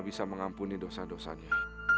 bisa mengampuni dosa dosanya